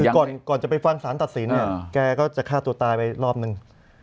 คือก่อนจะไปฟังสารตัดสินเนี่ยแกก็จะฆ่าตัวตายไปรอบนึง